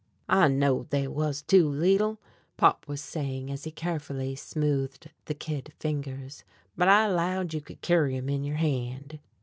"I knowed they wuz too leetle," Pop was saying, as he carefully smoothed the kid fingers, "but I 'lowed you could kerry 'em in yer hand."